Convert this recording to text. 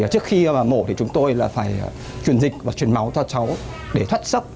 trước khi mổ thì chúng tôi phải chuyển dịch và chuyển máu cho cháu để thoát sốc